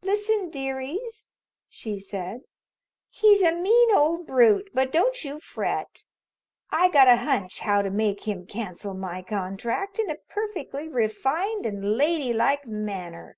"Listen, dearies," she said, "he's a mean, old brute, but don't you fret! I got a hunch how to make him cancel my contract in a perfectly refined an' ladylike manner.